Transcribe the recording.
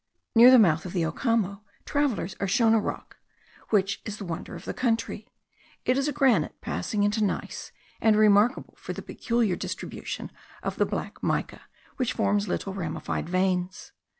Near the mouth of the Ocamo, travellers are shown a rock, which is the wonder of the country. It is a granite passing into gneiss, and remarkable for the peculiar distribution of the black mica, which forms little ramified veins.